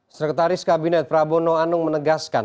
sekretaris kabinet prabowo noanung menegaskan